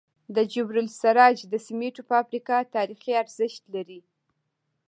د جبل السراج د سمنټو فابریکه تاریخي ارزښت لري.